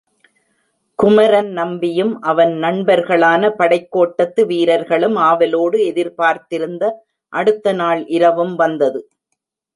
குமரன் நம்பியும் அவன் நண்பர்களான படைக் கோட்டத்து வீரர்களும் ஆவலோடு எதிர்பார்த்திருந்த அடுத்த நாள் இரவும் வந்தது.